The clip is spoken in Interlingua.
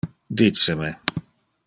Dice me.